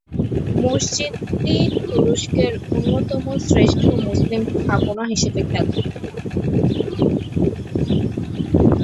মসজিদটি তুরস্কের অন্যতম শ্রেষ্ঠ মুসলিম স্থাপনা হিসেবে খ্যাত।